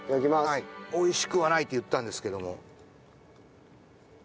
「美味しくはない」って言ったんですけども。